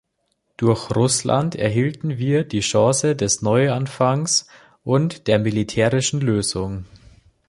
Durch Russland erhielten wir die Chance des Neuanfangs und der militärischen Lösung.